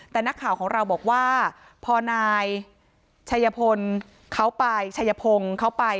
แต่นักข่าวของเราบอกว่าพอนายชัยพลเขาไปชัยพงศ์เขาไป